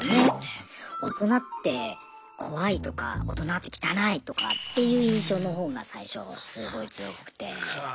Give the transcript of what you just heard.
大人って怖いとか大人って汚いとかっていう印象の方が最初すごい強くて。か。